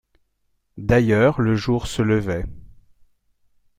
D’ailleurs le jour se levait.